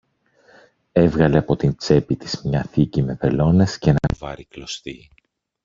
Έβγαλε από την τσέπη της μια θήκη με βελόνες κι ένα κουβάρι κλωστή